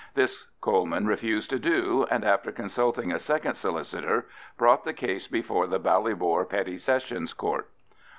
This Coleman refused to do, and after consulting a second solicitor, brought the case before the Ballybor Petty Sessions Court.